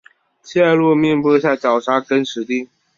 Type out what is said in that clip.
谢禄命部下绞杀更始帝。